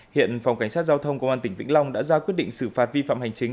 hiện phòng cảnh sát giao thông công an tỉnh vĩnh long đã ra quyết định xử phạt vi phạm hành chính